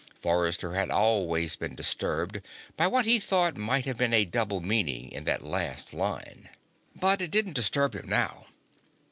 _" Forrester had always been disturbed by what he thought might have been a double meaning in that last line, but it didn't disturb him now.